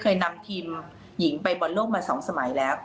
เคยนำทีมหญิงไปบอลโลกมา๒สมัยแล้ว